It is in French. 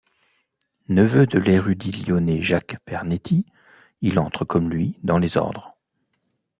Neveu de l'érudit lyonnais Jacques Pernetti, il entre comme lui dans les ordres.